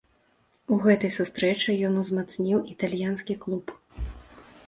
У гэтай сустрэчы ён узмацніў італьянскі клуб.